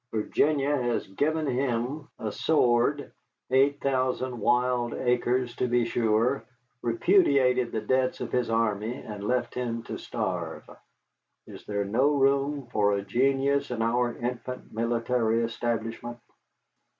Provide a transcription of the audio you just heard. Virginia has given him a sword, eight thousand wild acres to be sure, repudiated the debts of his army, and left him to starve. Is there no room for a genius in our infant military establishment?"